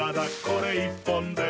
これ１本で」